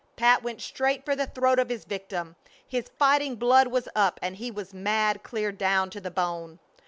Pat went straight for the throat of his victim. His fighting blood was up and he was mad clear down to the bone.